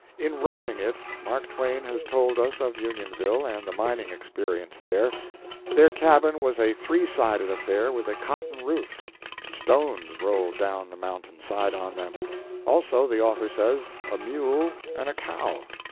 In "Roughing It" Mark Twain has told us of Unionville and the mining experience there. Their cabin was a three sided affair with a cotton roof. Stones rolled down the mountainside on them; also, the author says, a mule and a cow.